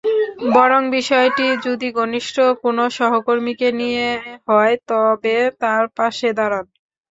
বরং বিষয়টি যদি ঘনিষ্ঠ কোনো সহকর্মীকে নিয়ে হয়, তবে তার পাশে দাঁড়ান।